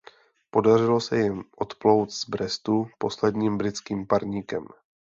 Podařilo se jim odplout z Brestu posledním britským parníkem.